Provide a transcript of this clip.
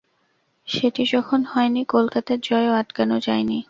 সেটি যখন হয়নি, কলকাতার জয়ও আটকানো যায়নি।